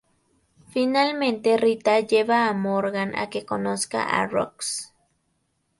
Finalmente Rita lleva a Morgan a que conozca a Rooks.